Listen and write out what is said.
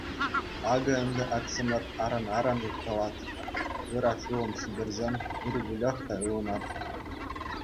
Акӑ ӗнтӗ, ачсемӗр, аран-аран уткалать: ыраш улӑм ҫитерсен, ыр выльӑх та ывӑнать.